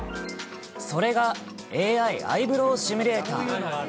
それがＡＩアイブローシミュレーター。